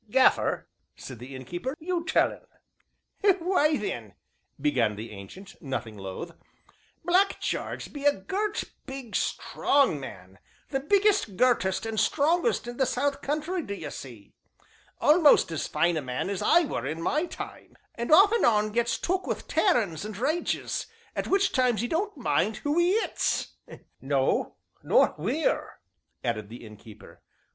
"Gaffer," said the Innkeeper, "you tell un." "Why, then," began the Ancient, nothing loth, "Black Jarge be a gert, big, strong man the biggest, gertest, and strongest in the South Country, d'ye see (a'most as fine a man as I were in my time), and, off and on, gets took wi' tearin's and rages, at which times 'e don't mind who 'e 'its " "No nor wheer!" added the Innkeeper.